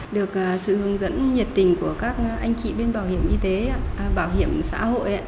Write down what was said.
được sự hướng dẫn nhiệt tình của các anh chị bên bảo hiểm y tế bảo hiểm xã hội